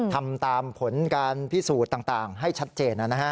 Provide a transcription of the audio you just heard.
ทำตามผลการพิสูจน์ต่างให้ชัดเจน